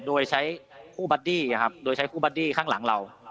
โดยใช้คู่บัดดี้โดยใช้คู่บัดดี้ข้างหลังเรา